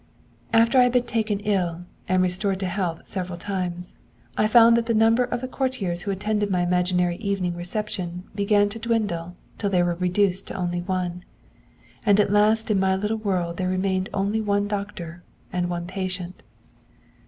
'After I had been taken ill and restored to health several times, I found that the number of the courtiers who attended my imaginary evening reception began to dwindle till they were reduced to only one! And at last in my little world there remained only one doctor and one patient.